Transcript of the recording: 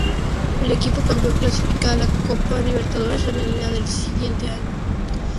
El equipo campeón clasifica a la Copa Libertadores Femenina del año siguiente.